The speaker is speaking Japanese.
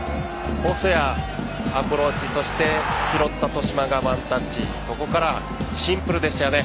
細谷、アプローチそして、拾った戸嶋がワンタッチそこからシンプルでしたよね。